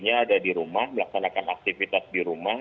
ada di rumah melaksanakan aktivitas di rumah